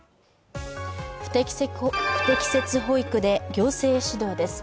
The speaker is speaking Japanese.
不適切保育で行政指導です。